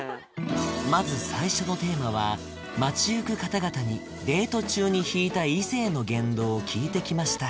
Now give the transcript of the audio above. まず最初のテーマは街ゆく方々にデート中に引いた異性の言動を聞いてきました